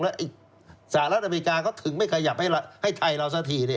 แล้วสหรัฐอเมริกาเขาถึงไม่ขยับให้ไทยเราสักที